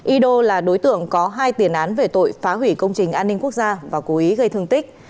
y đô là đối tượng có hai tiền án về tội phá hủy công trình an ninh quốc gia và cố ý gây thương tích